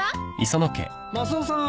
マスオさん